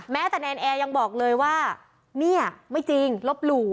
แม้แต่แนนแอร์ยังบอกเลยว่าเนี่ยไม่จริงลบหลู่